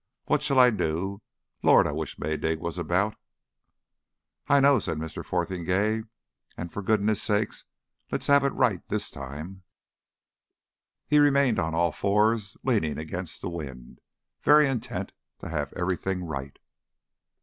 "What shall I do? Lord! I wish Maydig was about. "I know," said Mr. Fotheringay. "And for goodness' sake let's have it right this time." He remained on all fours, leaning against the wind, very intent to have everything right.